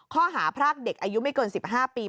ข้อหาพรากเด็กอายุไม่เกิน๑๕ปี